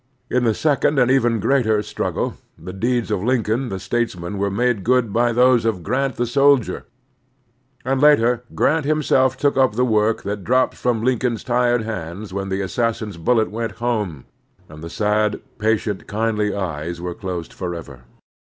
In the second and even greater struggle the deeds of Lincoln the statesman were made good by those of Grant the soldier, and later Grant himself took up the work that dropped from Lincoln's tired hands when the assassin's bullet went home, and the sad, patient, kindly eyes were closed forever.